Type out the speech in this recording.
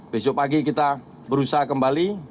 besok pagi kita berusaha kembali